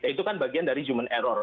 itu kan bagian dari human error